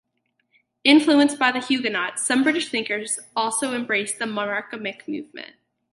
Influenced by the Huguenots, some British thinkers also embraced the Monarchomaque movement.